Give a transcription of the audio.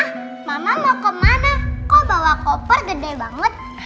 kamu mau kemana kau bawa koper gede banget